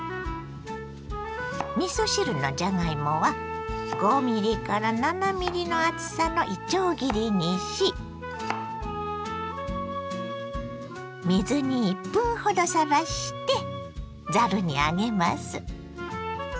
みそ汁のじゃがいもは５７ｍｍの厚さのいちょう切りにし水に１分ほどさらしてざるに上げます。